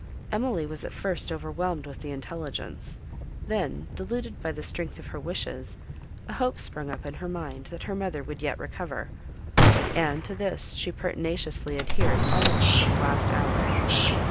Emily was at first overwhelmed with the intelligence; then, deluded by the strength of her wishes, a hope sprung up in her mind that her mother would yet recover, and to this she pertinaciously adhered almost to the last hour.